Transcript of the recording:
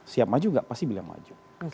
siap maju gak pasti beliau maju